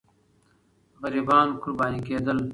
غریبان قرباني کېدل.